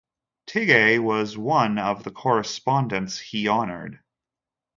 Tighe was one of correspondents he honored.